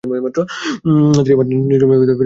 তিনি আবার নিজ গ্রামে ফিরে স্কুলে ভর্তি হন।